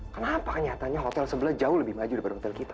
kenapa nyatanya hotel sebelah jauh lebih maju daripada hotel kita